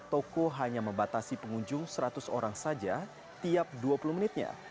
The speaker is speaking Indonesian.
toko hanya membatasi pengunjung seratus orang saja tiap dua puluh menitnya